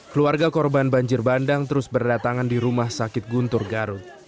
keluarga korban banjir bandang terus berdatangan di rumah sakit guntur garut